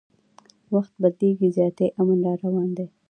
وخت بدلیږي زیاتي امن را روان دی